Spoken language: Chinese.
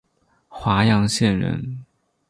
华阳县人。